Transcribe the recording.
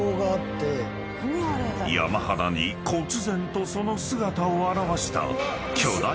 ［山肌にこつぜんとその姿を現した］